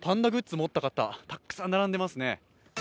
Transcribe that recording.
持った方、たくさん並んでますね。